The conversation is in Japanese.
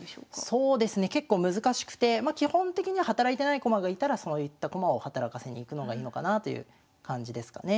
そうですね結構難しくて基本的には働いてない駒がいたらそういった駒を働かせにいくのがいいのかなという感じですかね。